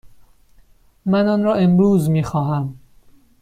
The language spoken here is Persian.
من آن را امروز می خواهم.